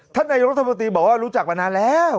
ท่านไทยรภปฏิบัติบอกว่าว่ารู้จักมานานแล้ว